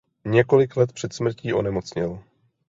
Několik let před smrtí onemocněl.